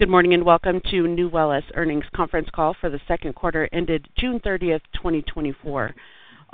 Good morning, and welcome to Nuwellis Earnings Conference Call for the Second Quarter ended June 30th, 2024.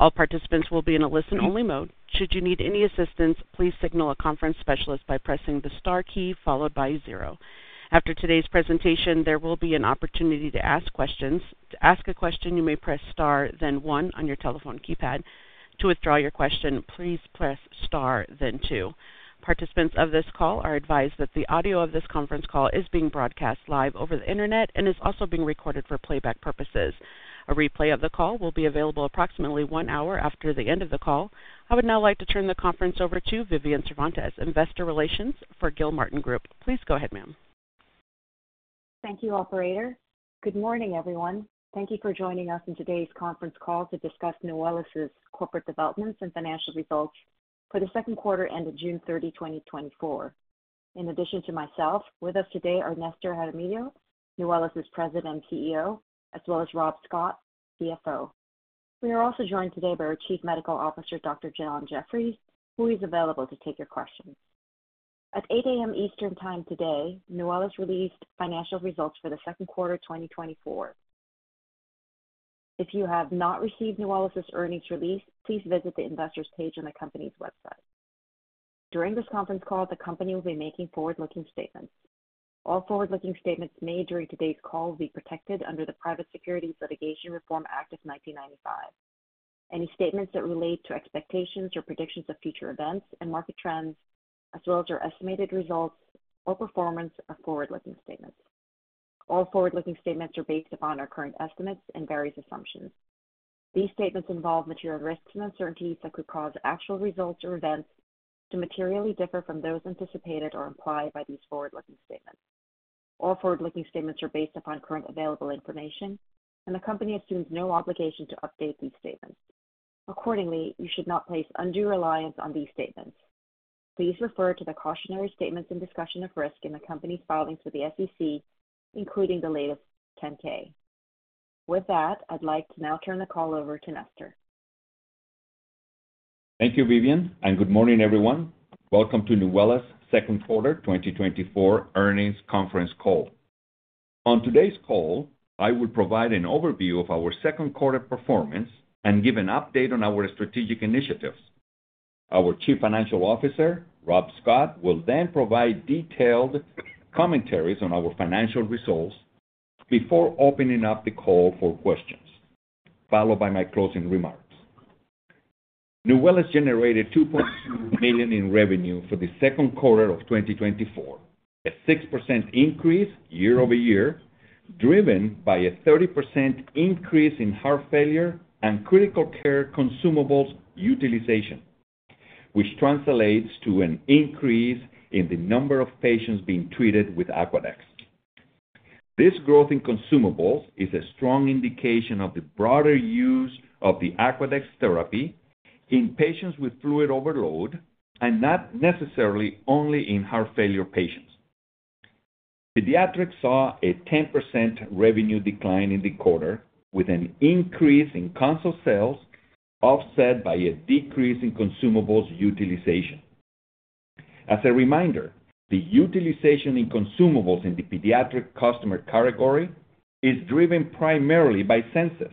All participants will be in a listen-only mode. Should you need any assistance, please signal a conference specialist by pressing the star key followed by zero. After today's presentation, there will be an opportunity to ask questions. To ask a question, you may press star then one on your telephone keypad. To withdraw your question, please press star then two. Participants of this call are advised that the audio of this conference call is being broadcast live over the Internet and is also being recorded for playback purposes. A replay of the call will be available approximately one hour after the end of the call. I would now like to turn the conference over to Vivian Cervantes, Investor Relations for Gilmartin Group. Please go ahead, ma'am. Thank you, operator. Good morning, everyone. Thank you for joining us in today's conference call to discuss Nuwellis's corporate developments and financial results for the second quarter ended June 30, 2024. In addition to myself, with us today are Nestor Jaramillo, Nuwellis's President and CEO, as well as Rob Scott, CFO. We are also joined today by our Chief Medical Officer, Dr. John Jefferies, who is available to take your questions. At 8 A.M. Eastern Time today, Nuwellis released financial results for the second quarter, 2024. If you have not received Nuwellis's earnings release, please visit the investors page on the company's website. During this conference call, the company will be making forward-looking statements. All forward-looking statements made during today's call will be protected under the Private Securities Litigation Reform Act of 1995. Any statements that relate to expectations or predictions of future events and market trends, as well as your estimated results or performance, are forward-looking statements. All forward-looking statements are based upon our current estimates and various assumptions. These statements involve material risks and uncertainties that could cause actual results or events to materially differ from those anticipated or implied by these forward-looking statements. All forward-looking statements are based upon current available information, and the company assumes no obligation to update these statements. Accordingly, you should not place undue reliance on these statements. Please refer to the cautionary statements and discussion of risk in the company's filings with the SEC, including the latest 10-K. With that, I'd like to now turn the call over to Nestor. Thank you, Vivian, and good morning, everyone. Welcome to Nuwellis's second quarter 2024 earnings conference call. On today's call, I will provide an overview of our second quarter performance and give an update on our strategic initiatives. Our Chief Financial Officer, Rob Scott, will then provide detailed commentaries on our financial results before opening up the call for questions, followed by my closing remarks. Nuwellis has generated $2.2 billion in revenue for the second quarter of 2024, a 6% increase year-over-year, driven by a 30% increase in heart failure and critical care consumables utilization, which translates to an increase in the number of patients being treated with Aquadex. This growth in consumables is a strong indication of the broader use of the Aquadex therapy in patients with fluid overload and not necessarily only in heart failure patients. Pediatrics saw a 10% revenue decline in the quarter, with an increase in console sales offset by a decrease in consumables utilization. As a reminder, the utilization in consumables in the pediatric customer category is driven primarily by census,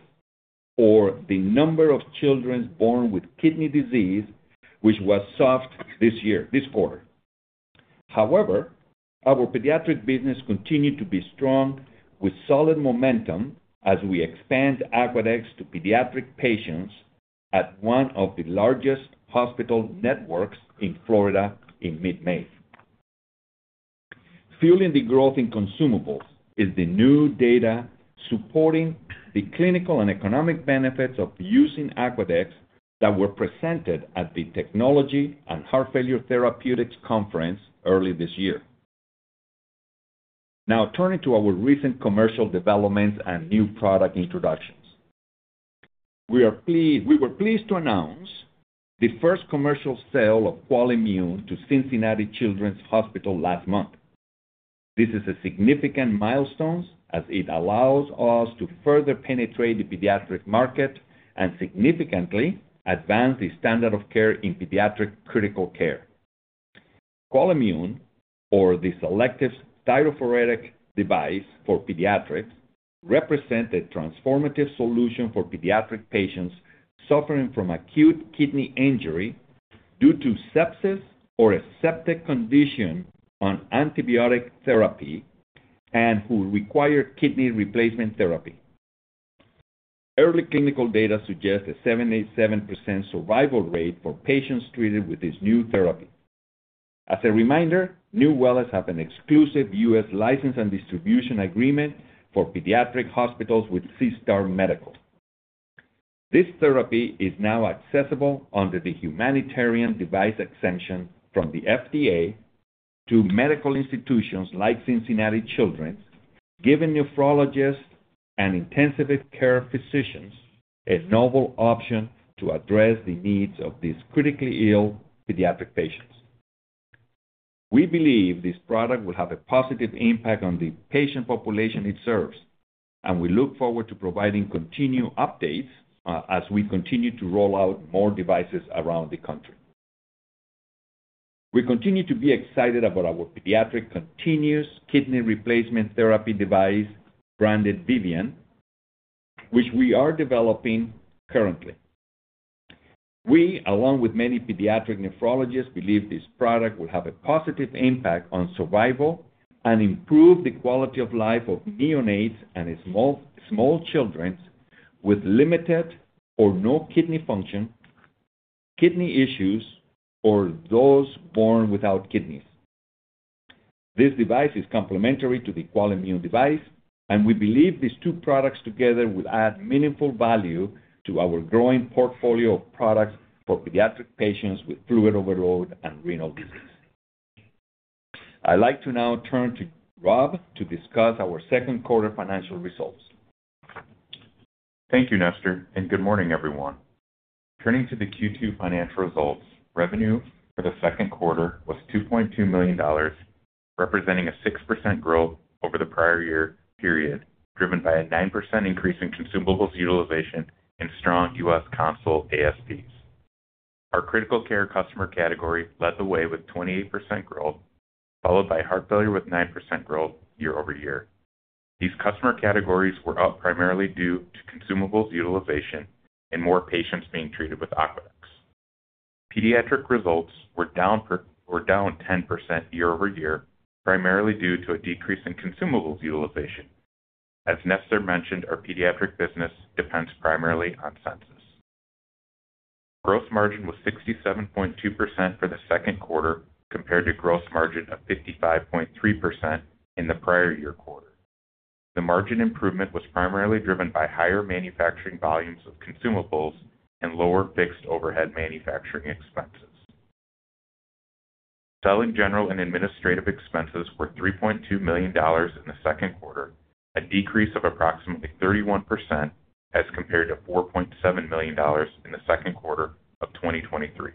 or the number of children born with kidney disease, which was soft this year, this quarter. However, our pediatric business continued to be strong with solid momentum as we expand Aquadex to pediatric patients at one of the largest hospital networks in Florida in mid-May. Fueling the growth in consumables is the new data supporting the clinical and economic benefits of using Aquadex that were presented at the Technology and Heart Failure Therapeutics Conference early this year. Now, turning to our recent commercial developments and new product introductions. We are pleased-- we were pleased to announce the first commercial sale of Quelimmune to Cincinnati Children's Hospital last month. This is a significant milestone as it allows us to further penetrate the pediatric market and significantly advance the standard of care in pediatric critical care. Quelimmune, or the selective cytopheretic device for pediatrics, represent a transformative solution for pediatric patients suffering from acute kidney injury due to sepsis or a septic condition on antibiotic therapy and who require kidney replacement therapy. Early clinical data suggest a 77% survival rate for patients treated with this new therapy. As a reminder, Nuwellis has an exclusive U.S. license and distribution agreement for pediatric hospitals with SeaStar Medical. This therapy is now accessible under the Humanitarian Device Exemption from the FDA to medical institutions like Cincinnati Children's, giving nephrologists and intensive care physicians a novel option to address the needs of these critically ill pediatric patients. We believe this product will have a positive impact on the patient population it serves, and we look forward to providing continued updates as we continue to roll out more devices around the country. We continue to be excited about our pediatric continuous kidney replacement therapy device, branded Vivian, which we are developing currently. We, along with many pediatric nephrologists, believe this product will have a positive impact on survival and improve the quality of life of neonates and small, small children with limited or no kidney function, kidney issues, or those born without kidneys. This device is complementary to the Quelimmune device, and we believe these two products together will add meaningful value to our growing portfolio of products for pediatric patients with fluid overload and renal disease. I'd like to now turn to Rob to discuss our second quarter financial results. Thank you, Nestor, and good morning, everyone. Turning to the Q2 financial results, revenue for the second quarter was $2.2 million, representing a 6% growth over the prior year period, driven by a 9% increase in consumables utilization and strong US console ASPs. Our critical care customer category led the way with 28% growth, followed by heart failure with 9% growth year over year. These customer categories were up primarily due to consumables utilization and more patients being treated with Aquadex. Pediatric results were down were down 10% year over year, primarily due to a decrease in consumables utilization. As Nestor mentioned, our pediatric business depends primarily on census. Gross margin was 67.2% for the second quarter, compared to gross margin of 55.3% in the prior year quarter. The margin improvement was primarily driven by higher manufacturing volumes of consumables and lower fixed overhead manufacturing expenses. Selling, general and administrative expenses were $3.2 million in the second quarter, a decrease of approximately 31% as compared to $4.7 million in the second quarter of 2023.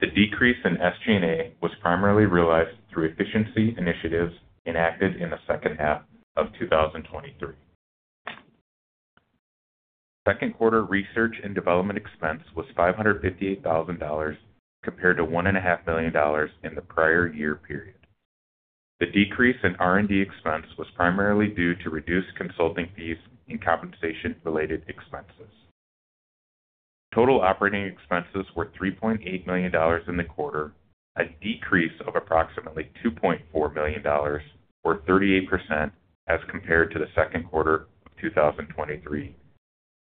The decrease in SG&A was primarily realized through efficiency initiatives enacted in the second half of 2023. Second quarter research and development expense was $558,000, compared to $1.5 million in the prior year period. The decrease in R&D expense was primarily due to reduced consulting fees and compensation-related expenses. Total operating expenses were $3.8 million in the quarter, a decrease of approximately $2.4 million, or 38%, as compared to the second quarter of 2023,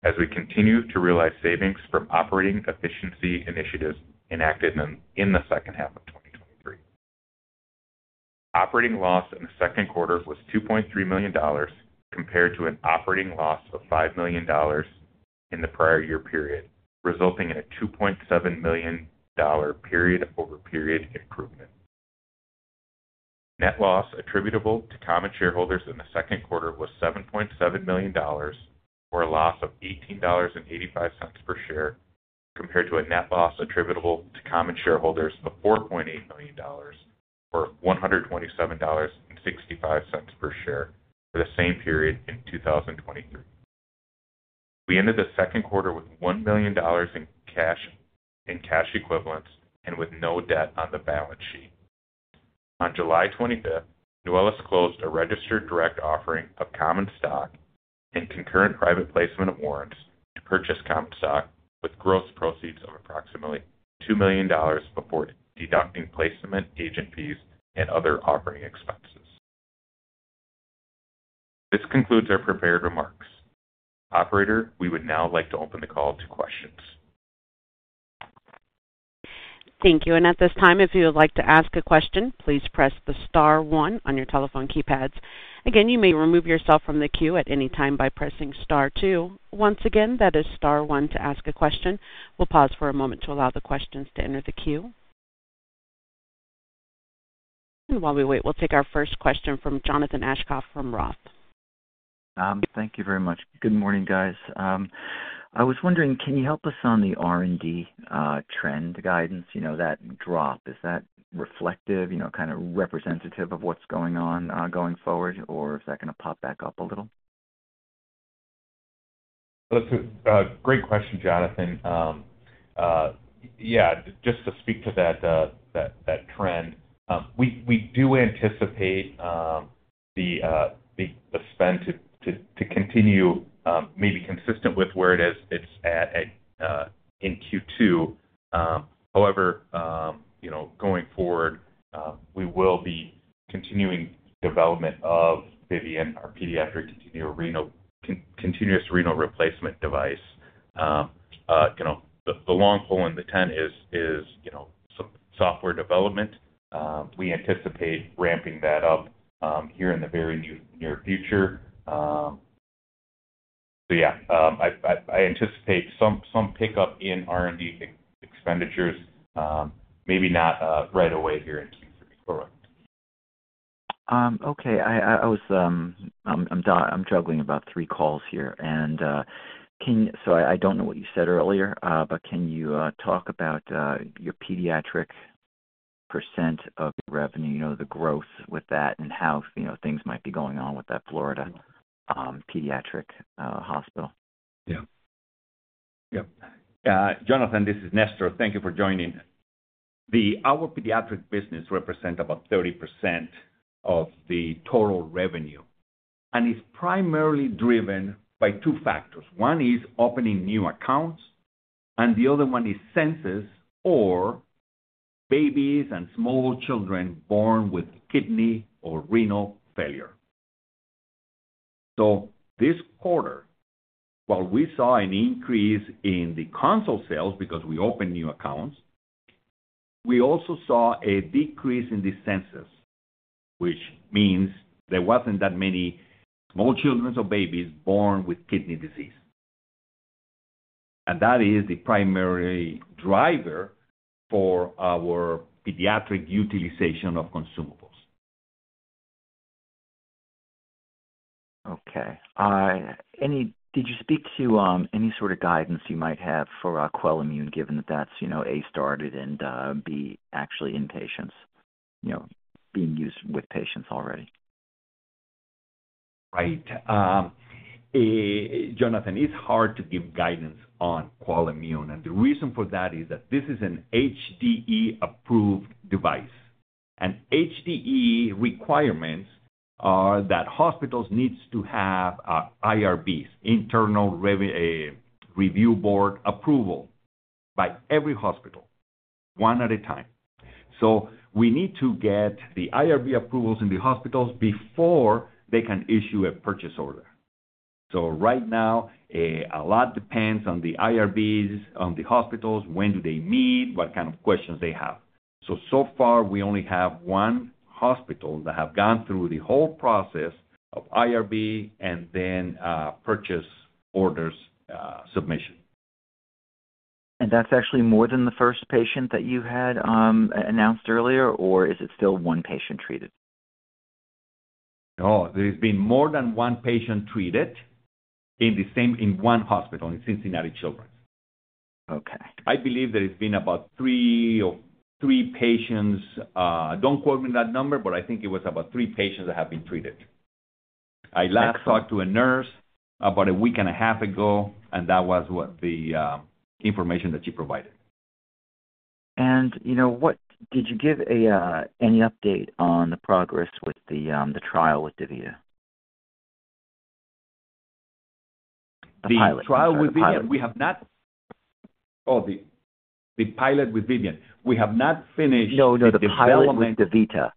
as we continue to realize savings from operating efficiency initiatives enacted in the second half of 2023. Operating loss in the second quarter was $2.3 million, compared to an operating loss of $5 million in the prior year period, resulting in a $2.7 million period-over-period improvement. Net loss attributable to common shareholders in the second quarter was $7.7 million, or a loss of $18.85 per share, compared to a net loss attributable to common shareholders of $4.8 million, or $127.65 per share for the same period in 2023. We ended the second quarter with $1 million in cash and cash equivalents and with no debt on the balance sheet. On July 25, Nuwellis closed a registered direct offering of common stock and concurrent private placement of warrants to purchase common stock, with gross proceeds of approximately $2 million before deducting placement agent fees and other offering expenses. This concludes our prepared remarks. Operator, we would now like to open the call to questions. Thank you. At this time, if you would like to ask a question, please press the star one on your telephone keypads. Again, you may remove yourself from the queue at any time by pressing star two. Once again, that is star one to ask a question. We'll pause for a moment to allow the questions to enter the queue. While we wait, we'll take our first question from Jonathan Aschoff from Roth. Thank you very much. Good morning, guys. I was wondering, can you help us on the R&D trend guidance? You know, that drop, is that reflective, you know, kind of representative of what's going on, going forward, or is that going to pop back up a little? That's a great question, Jonathan. Yeah, just to speak to that, that trend, we do anticipate the spend to continue, maybe consistent with where it is, it's at, in Q2. However, you know, going forward, we will be continuing development of Vivian, our pediatric continuous renal, continuous renal replacement device. You know, the long hole in the tent is some software development. We anticipate ramping that up here in the very near future. So yeah, I anticipate some pickup in R&D expenditures, maybe not right away here in Q3. Correct. Okay. I was... I'm juggling about three calls here, and, can you-- so I don't know what you said earlier, but can you talk about your pediatric percent of revenue, you know, the growth with that and how, you know, things might be going on with that Florida pediatric hospital? Yeah. Yep. Jonathan, this is Néstor. Thank you for joining. Our pediatric business represent about 30% of the total revenue, and it's primarily driven by two factors. One is opening new accounts, and the other one is census or babies and small children born with kidney or renal failure. So this quarter, while we saw an increase in the console sales because we opened new accounts, we also saw a decrease in the census, which means there wasn't that many small children or babies born with kidney disease. And that is the primary driver for our pediatric utilization of consumables. Okay. Did you speak to any sort of guidance you might have for Quelimmune, given that that's, you know, A, started and B, actually in patients, you know, being used with patients already? Right. Jonathan, it's hard to give guidance on Quelimmune, and the reason for that is that this is an HDE-approved device. HDE requirements are that hospitals needs to have IRBs, Institutional Review Board approval, by every hospital, one at a time. So we need to get the IRB approvals in the hospitals before they can issue a purchase order. So right now, a lot depends on the IRBs, on the hospitals, when do they meet, what kind of questions they have. So, so far, we only have one hospital that have gone through the whole process of IRB and then, purchase orders, submission. That's actually more than the first patient that you had announced earlier, or is it still one patient treated? No, there's been more than one patient treated in the same, in one hospital, in Cincinnati Children's. Okay. I believe there has been about three or three patients. Don't quote me on that number, but I think it was about three patients that have been treated. I last talked to a nurse about a week and a half ago, and that was what the information that she provided. You know, what did you give any update on the progress with the trial with DaVita? The pilot. The trial with DaVita, we have not... Oh, the pilot with DaVita. We have not finished- No, no, the pilot with DaVita.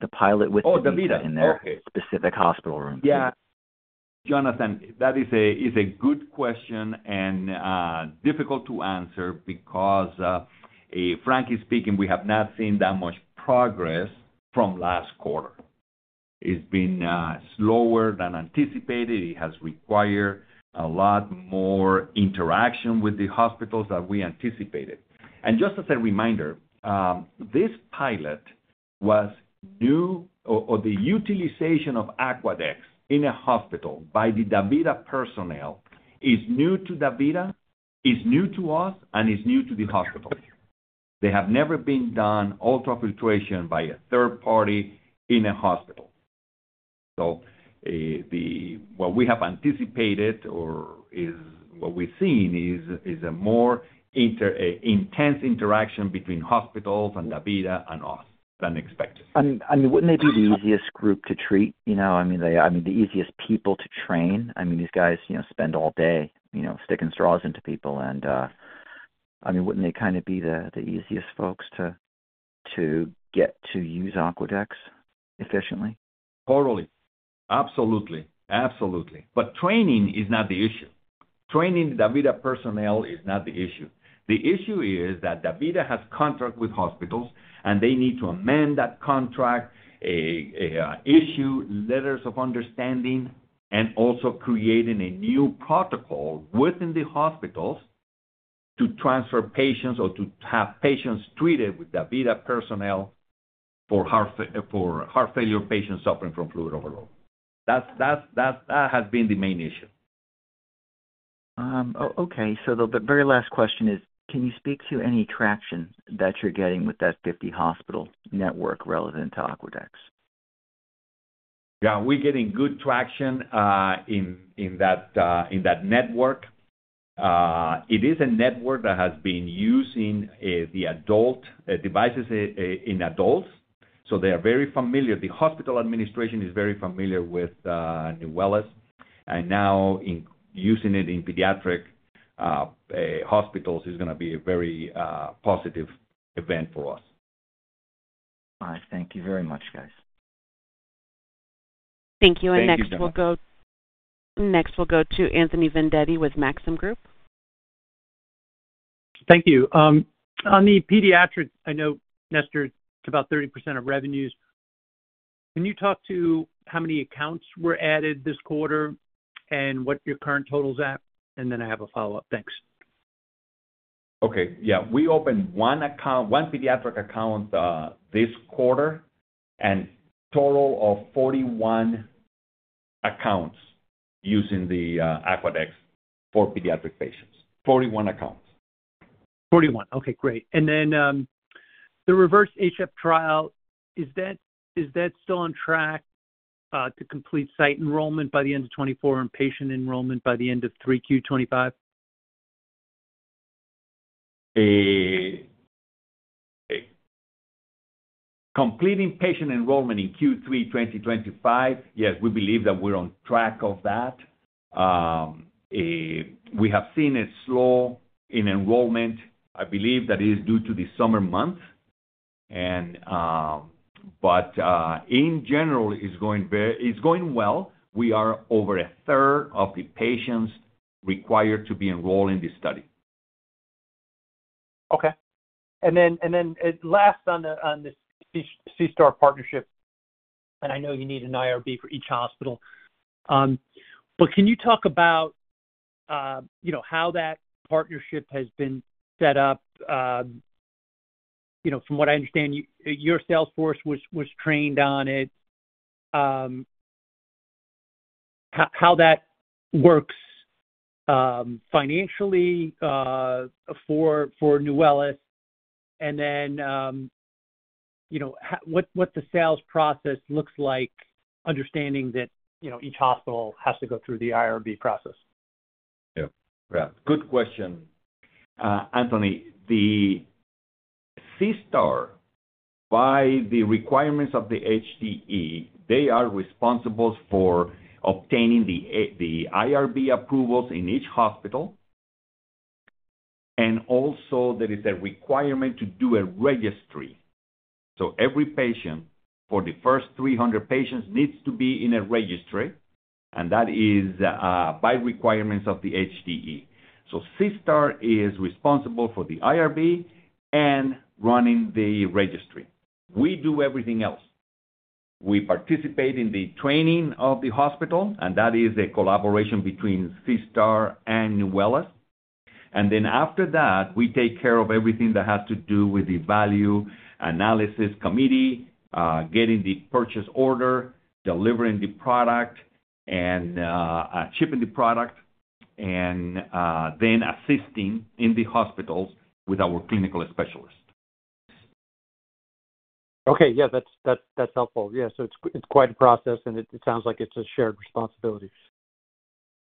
The pilot with DaVita. Oh, DaVita. Okay. In their specific hospital room. Yeah. Jonathan, that is a good question and difficult to answer because, frankly speaking, we have not seen that much progress from last quarter. It's been slower than anticipated. It has required a lot more interaction with the hospitals than we anticipated. And just as a reminder, this pilot was new, or the utilization of Aquadex in a hospital by the DaVita personnel is new to DaVita, is new to us, and is new to the hospital. They have never been done ultrafiltration by a third party in a hospital. So, what we've seen is a more intense interaction between hospitals and DaVita and us than expected. I mean, wouldn't they be the easiest group to treat? You know, I mean, they, I mean, the easiest people to train. I mean, these guys, you know, spend all day, you know, sticking straws into people and, I mean, wouldn't they kind of be the easiest folks to get to use Aquadex efficiently? Totally. Absolutely. Absolutely. But training is not the issue. Training DaVita personnel is not the issue. The issue is that DaVita has contract with hospitals, and they need to amend that contract, issue letters of understanding, and also creating a new protocol within the hospitals to transfer patients or to have patients treated with DaVita personnel for heart failure patients suffering from fluid overload. That's the main issue. Okay, so the very last question is, can you speak to any traction that you're getting with that 50 hospital network relevant to Aquadex? Yeah, we're getting good traction in that network. It is a network that has been using the adult devices in adults, so they are very familiar. The hospital administration is very familiar with Nuwellis, and now using it in pediatric hospitals is gonna be a very positive event for us. All right. Thank you very much, guys. Thank you. Thank you. And next, we'll go to Anthony Vendetti with Maxim Group. Thank you. On the pediatrics, I know, Néstor, it's about 30% of revenues. Can you talk to how many accounts were added this quarter and what your current total's at? And then I have a follow-up. Thanks. Okay. Yeah. We opened one account, one pediatric account, this quarter and total of 41 accounts using the Aquadex for pediatric patients. 41 accounts. 41. Okay, great. And then, the REVERSE-HF trial, is that still on track to complete site enrollment by the end of 2024 and patient enrollment by the end of 3Q2025? We're completing patient enrollment in Q3 2025, yes, we believe that we're on track of that. We have seen it slow in enrollment. I believe that is due to the summer months. But, in general, it's going well. We are over a third of the patients required to be enrolled in this study. Okay. And then at last on the SeaStar partnership, and I know you need an IRB for each hospital, but can you talk about, you know, how that partnership has been set up? You know, from what I understand, your sales force was trained on it. How that works, financially, for Nuwellis, and then, you know, what the sales process looks like, understanding that, you know, each hospital has to go through the IRB process. Yeah. Good question. Anthony, the SeaStar, by the requirements of the HDE, they are responsible for obtaining the IRB approvals in each hospital. Also, there is a requirement to do a registry. So every patient for the first 300 patients needs to be in a registry, and that is by requirements of the HDE. So SeaStar is responsible for the IRB and running the registry. We do everything else. We participate in the training of the hospital, and that is a collaboration between SeaStar and Nuwellis. Then after that, we take care of everything that has to do with the Value Analysis Committee, getting the purchase order, delivering the product, and shipping the product, and then assisting in the hospitals with our clinical specialists. Okay. Yeah, that's helpful. Yeah, so it's quite a process, and it sounds like it's a shared responsibility.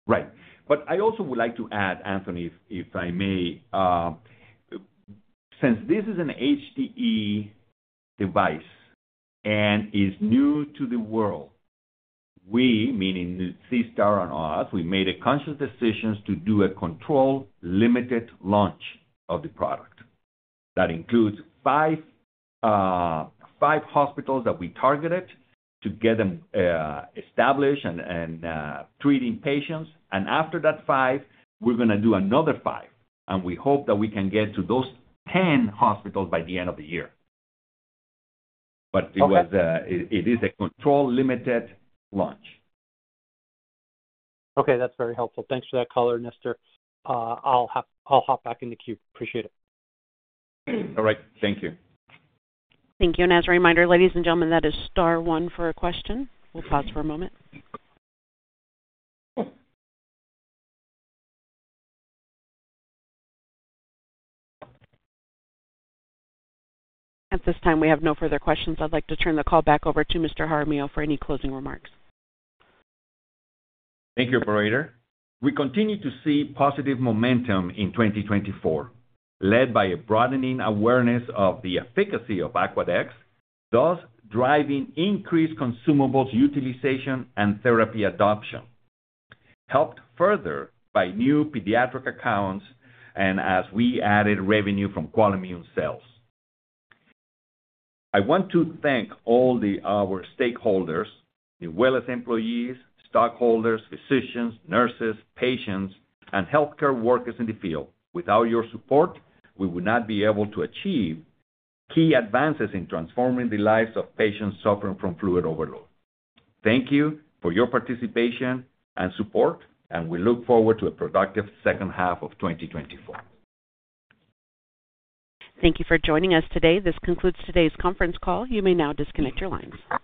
Right. But I also would like to add, Anthony, if I may, since this is an HDE device and is new to the world, we, meaning SeaStar and us, we made a conscious decisions to do a controlled, limited launch of the product. That includes 5, 5 hospitals that we targeted to get them established and treating patients. And after that 5, we're gonna do another 5, and we hope that we can get to those 10 hospitals by the end of the year. Okay. But it was, it is a controlled, limited launch. Okay, that's very helpful. Thanks for that color, Nestor. I'll hop, I'll hop back in the queue. Appreciate it. All right. Thank you. Thank you. As a reminder, ladies and gentlemen, that is star one for a question. We'll pause for a moment. At this time, we have no further questions. I'd like to turn the call back over to Mr. Jaramillo for any closing remarks. Thank you, operator. We continue to see positive momentum in 2024, led by a broadening awareness of the efficacy of Aquadex, thus driving increased consumables utilization and therapy adoption, helped further by new pediatric accounts and as we added revenue from Quelimmune sales. I want to thank all the our stakeholders, Nuwellis employees, stockholders, physicians, nurses, patients, and healthcare workers in the field. Without your support, we would not be able to achieve key advances in transforming the lives of patients suffering from fluid overload. Thank you for your participation and support, and we look forward to a productive second half of 2024. Thank you for joining us today. This concludes today's conference call. You may now disconnect your lines.